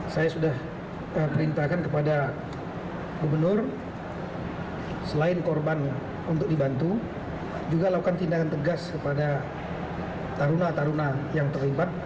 saya sudah perintahkan kepada gubernur selain korban untuk dibantu juga lakukan tindakan tegas kepada taruna taruna yang terlibat